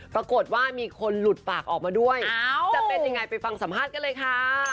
ปรากฏว่ามีคนหลุดปากออกมาด้วยจะเป็นยังไงไปฟังสัมภาษณ์กันเลยค่ะ